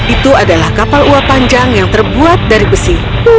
itu adalah kapal uap panjang yang terbuat dari besi